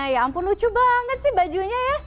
ya ampun lucu banget sih bajunya ya